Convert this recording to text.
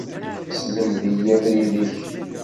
Sselmed-iyi abrid-ik.